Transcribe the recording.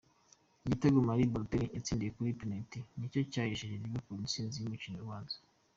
Igitego Mario Balotelli yatsindiye kuri penaliti nicyo cyahesheje Liverpool instsinzi ku mukino ubanza.